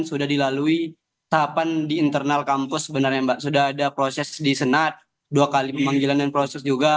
sebenarnya mbak sudah ada proses di senat dua kali pemanggilan dan proses juga